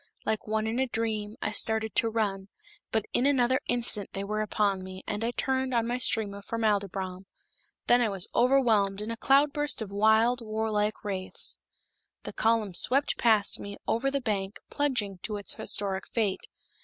Like one in a dream, I started to run, but in another instant they were upon me, and I turned on my stream of formaldybrom. Then I was overwhelmed in a cloud burst of wild warlike wraiths. The column swept past me, over the bank, plunging to its historic fate.